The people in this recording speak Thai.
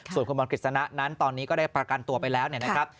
ส่วนคุณบอลกฤษณะนั้นตอนนี้ก็ได้ประกันตัวไปแล้วเนี่ยนะครับ